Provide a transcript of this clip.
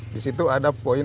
disitu ada poin